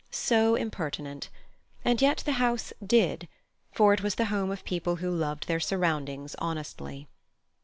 So impertinent—and yet the house "did," for it was the home of people who loved their surroundings honestly.